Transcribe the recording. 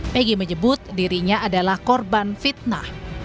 pegi menyebut dirinya adalah korban fitnah